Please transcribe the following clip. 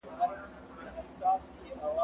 زه اوږده وخت د زده کړو تمرين کوم!.